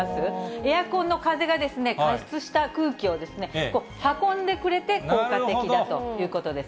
エアコンの風が加湿した空気を運んでくれて、効果的だということです。